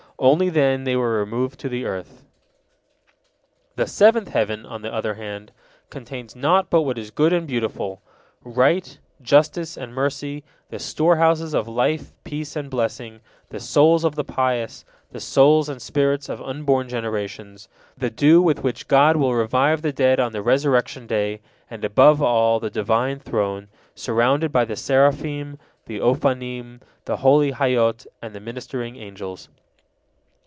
Only then they were removed to the earth. The seventh heaven, on the other hand, contains naught but what is good and beautiful: right, justice, and mercy, the storehouses of life, peace, and blessing, the souls of the pious, the souls and spirits of unborn generations, the dew with which God will revive the dead on the resurrection day, and, above all, the Divine Throne, surrounded by the seraphim, the ofanim, the holy Hayyot, and the ministering angels.